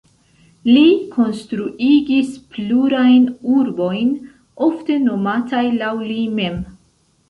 Li konstruigis plurajn urbojn, ofte nomataj laŭ li mem.